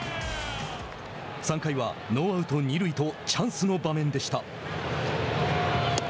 ３回は、ノーアウト、二塁とチャンスの場面でした。